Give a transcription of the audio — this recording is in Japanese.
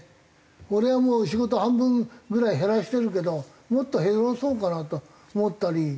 俺はもう仕事半分ぐらい減らしてるけどもっと減らそうかなと思ったり。